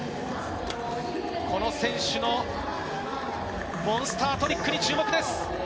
この選手のモンスタートリックに注目です。